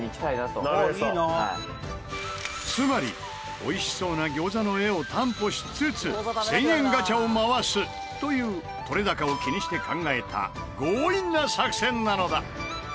つまり美味しそうな餃子の画を担保しつつ１０００円ガチャを回すという撮れ高を気にして考えた強引な作戦なのだ！